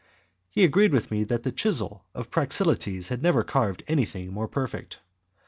He agreed with me that the chisel of Praxiteles had never carved anything more perfect.